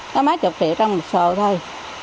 nó mát chục triệu trong một sổ thôi